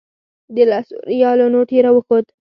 د لسو ریالو نوټ یې راښود.